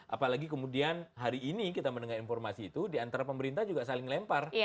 apalagi kemudian hari ini kita mendengar informasi itu diantara pemerintah juga saling lempar